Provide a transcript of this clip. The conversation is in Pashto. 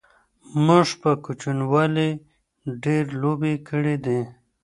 موږ په کوچنیوالی ډیری لوبی کړی دی